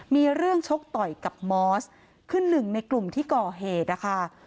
มีเรื่องชกต่อยกับมอสคือหนึ่งในกลุ่มที่ก่อเหตุนะคะ